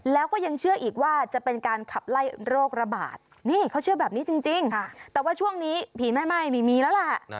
แล้วก็ยังเชื่ออีกว่าจะเป็นการขับไล่โรคระบาดนี่เขาเชื่อแบบนี้จริงแต่ว่าช่วงนี้ผีไม่ไหม้ไม่มีแล้วล่ะ